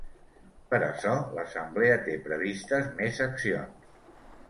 Per açò, l’assemblea té previstes més accions.